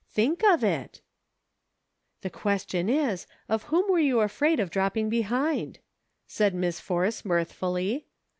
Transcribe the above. Think of it !"" The question is, Of whom were you afraid of dropping behind .'" said Miss Force mirthfully.